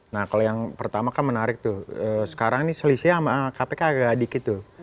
nah kalau yang pertama kan menarik tuh sekarang ini selisihnya kpk agak dikit tuh